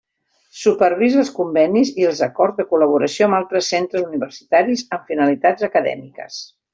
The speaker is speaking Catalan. Supervisa els convenis i els acords de col·laboració amb altres centres universitaris amb finalitats acadèmiques.